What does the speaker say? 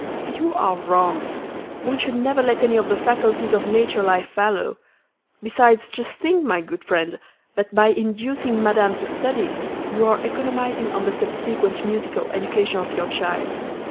"You are wrong. One should never let any of the faculties of nature lie fallow. Besides, just think, my good friend, that by inducing madame to study; you are economising on the subsequent musical education of your child.